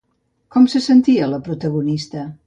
Com se sentia la protagonista?